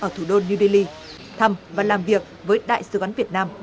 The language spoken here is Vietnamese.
ở thủ đô new delhi thăm và làm việc với đại sứ quán việt nam